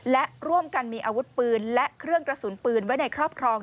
และร่วมกันมีอาวุธปืนและเครื่องกระสุนปืนไว้ในครอบครอง